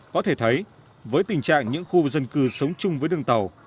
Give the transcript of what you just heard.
có thể thấy với tình trạng những khu dân cư sống chung với đường tàu